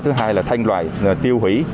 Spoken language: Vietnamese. thứ hai là thanh loại tiêu hủy